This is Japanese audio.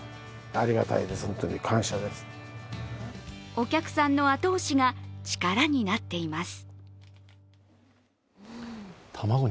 お客さんの後押しが力になっています。